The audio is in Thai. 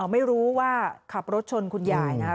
ไม่รู้ว่าขับรถชนคุณยาย